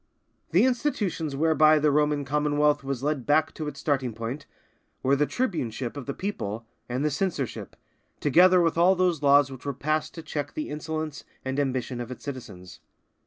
The institutions whereby the Roman Commonwealth was led back to its starting point, were the tribuneship of the people and the censorship, together with all those laws which were passed to check the insolence and ambition of its citizens.